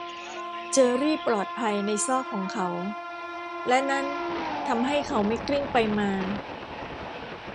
เจอร์รี่ปลอดภัยในซอกของเขา และนั้นทำให้เขาไม่กลิ้งไปมา